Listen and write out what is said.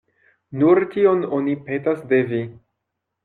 Nur tion oni petas de vi.